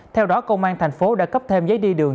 theo đó công an thành phố đã cấp thêm giấy đi đường